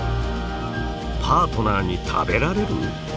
パートナーに食べられる！？